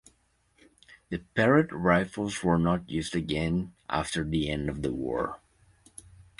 The Parrott rifles were not used again after the end of the war.